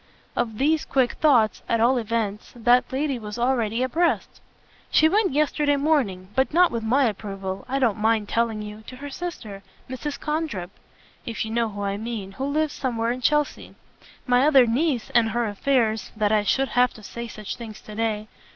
Of these quick thoughts, at all events, that lady was already abreast. "She went yesterday morning and not with my approval, I don't mind telling you to her sister: Mrs. Condrip, if you know who I mean, who lives somewhere in Chelsea. My other niece and her affairs that I should have to say such things to day!